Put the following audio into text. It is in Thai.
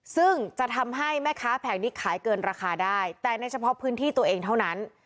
ซึ่งจะทำให้แม่ค้าแผงนี้ขายเกินราคาได้แต่ในเฉพาะพื้นที่ตัวเองเท่านั้น